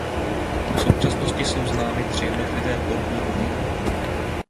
V současnosti jsou známy tři jednotlivé poddruhy.